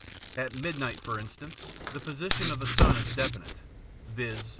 At midnight, for instance, the position of the sun is definite, viz.